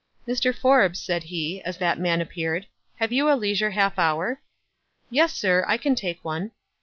"Mr. Forbes," said he, as that } r oung man appeared, "have you a leisure half hour?" "Yes, sir; I can take one."